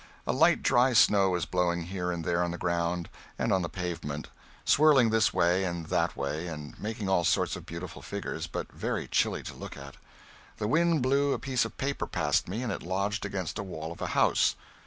A light dry snow was blowing here and there on the ground and on the pavement, swirling this way and that way and making all sorts of beautiful figures, but very chilly to look at. The wind blew a piece of paper past me and it lodged against a wall of a house.